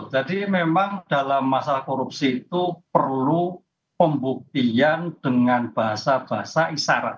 jadi memang dalam masalah korupsi itu perlu pembuktian dengan bahasa bahasa isarat